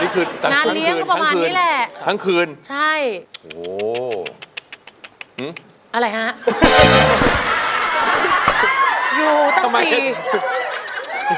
นี่คือทั้งคืนทั้งคืนทั้งคืนใช่งานเลี้ยงก็ประมาณนี้แหละ